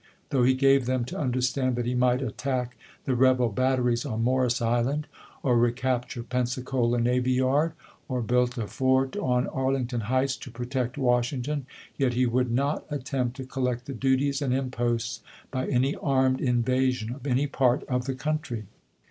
Though he gave them to understand that he might attack the rebel batteries on Morris Island, or recapture Pensacola navy yard, or build a fort on Arlington Heights to protect Washington, yet he would "not attempt to collect the duties and imposts by any armed invasion of any part of the country."